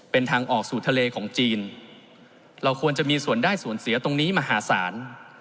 เป็นทางออกสู่ทะเลของจีนเราควรจะมีส่วนได้ส่วนเสียตรงนี้มหาศาล